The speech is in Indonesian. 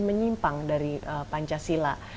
menyimpang dari pancasila